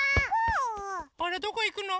あれどこいくの？